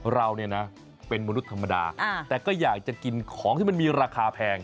เราเนี่ยนะเป็นมนุษย์ธรรมดาแต่ก็อยากจะกินของที่มันมีราคาแพง